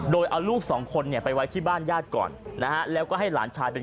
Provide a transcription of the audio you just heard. โดยเอาลูกสองคนไปไว้ที่บ้านญาติก่อน